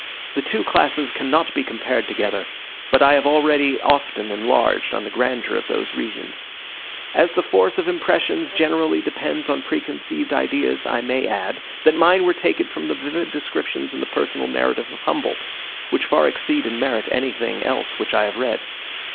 The two classes cannot be compared together; but I have already often enlarged on the grandeur of those regions. As the force of impressions generally depends on preconceived ideas, I may add, that mine were taken from the vivid descriptions in the Personal Narrative of Humboldt, which far exceed in merit anything else which I have read.